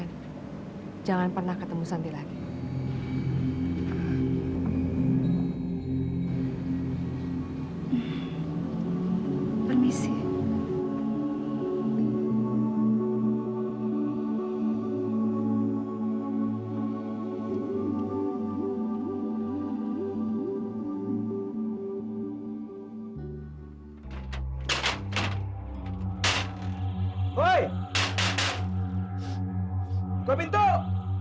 haru tebus sekarang di gaso